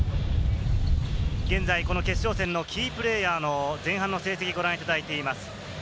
現在、この決勝戦のキープレーヤーの前半の成績をご覧いただいています。